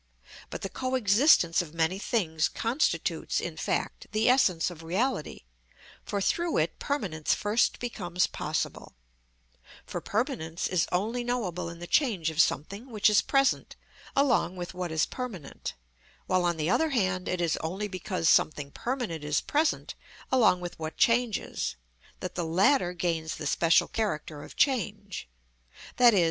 But the co existence of many things constitutes, in fact, the essence of reality, for through it permanence first becomes possible; for permanence is only knowable in the change of something which is present along with what is permanent, while on the other hand it is only because something permanent is present along with what changes, that the latter gains the special character of change, _i.e.